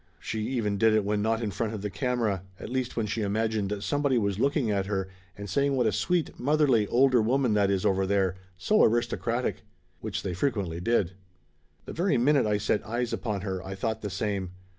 She even did it when not in front of the camera; at least when she imagined somebody was looking at her and saying what a sweet, motherly older woman that is over there so aristocratic. Which they frequently did. The very minute I set eyes upon her I thought the same.